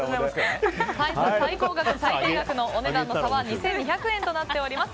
最高額、最低額のお値段の差は２２００円となっております。